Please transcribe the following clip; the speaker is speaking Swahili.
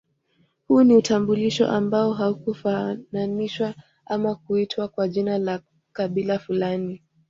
Huu ni utambulisho ambao haukufananishwa ama kuitwa kwa jina la kabila fulani